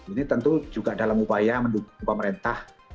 ini tentu juga dalam upaya